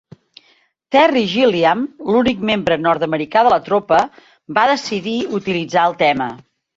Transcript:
Terry Gilliam, l'únic membre nord-americà de la tropa, va decidir utilitzar el tema.